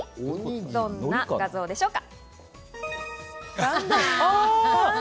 どんな画像でしょうか。